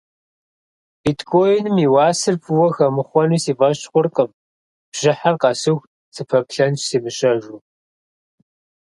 Биткоиным и уасэр фӏыуэ хэмыхъуэну си фӏэщ хъуркъым, бжьыхьэр къэсыху сыпэплъэнщ сымыщэжыу.